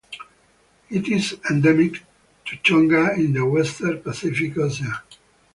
It is endemic to Tonga in the western Pacific Ocean.